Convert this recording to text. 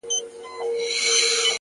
• خدایه هغه مه اخلې زما تر جنازې پوري؛